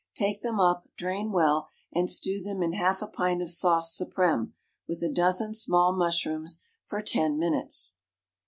Take them up, drain well, and stew them in half a pint of sauce suprême, with a dozen small mushrooms, for ten minutes.